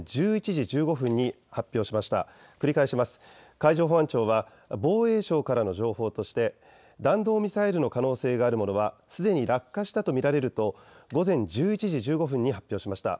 海上保安庁は防衛省からの情報として弾道ミサイルの可能性があるものはすでに落下したと見られると午前１１時１５分に発表しました。